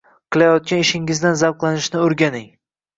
Qilayotgan ishingizdan zavqlanishni õrganing